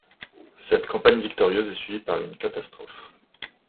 Cette campagne victorieuse est suivie par une catastrophe.